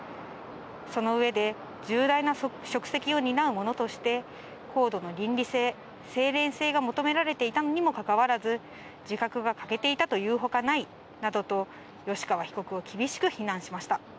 その上で重大な職責を担う者として高度の倫理性、清廉性が求められていたにもかかわらず、自覚が欠けていたというほかないなどと、吉川被告を厳しく非難しました。